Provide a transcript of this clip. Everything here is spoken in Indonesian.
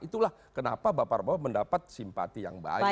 itulah kenapa pak prabowo mendapat simpati yang baik